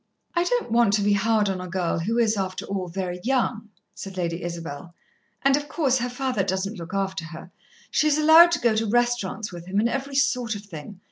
"I don't want to be hard on a girl who is, after all, very young," said Lady Isabel. "And, of course, her father doesn't look after her. She is allowed to go to restaurants with him and every sort of thing....